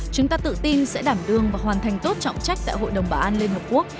chúng ta tự tin sẽ đảm đương và hoàn thành tốt trọng trách tại hội đồng bảo an liên hợp quốc